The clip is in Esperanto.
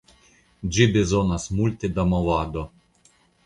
Ĝi bezonas multe da movado.